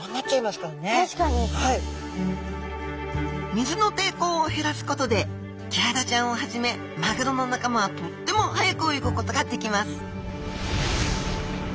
水の抵抗を減らすことでキハダちゃんをはじめマグロの仲間はとっても速く泳ぐことができます